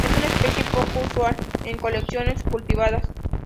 Es una especie poco usual en colecciones cultivadas.